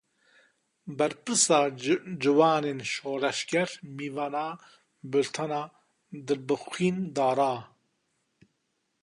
Berpirsa Ciwanên Şoreşger mêvana bultena Dilbixwîn Dara.